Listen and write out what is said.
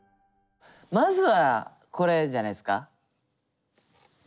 まずはこれじゃないっすか。